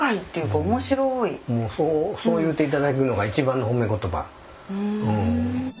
そう言って頂けるのが一番の褒め言葉。